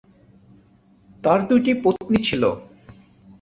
তার দুইটি পত্নী ছিল।